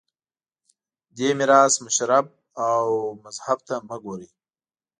دې میراث مشرب او مذهب ته مه ګورئ